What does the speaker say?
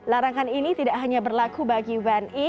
larangan ini tidak hanya berlaku bagi wni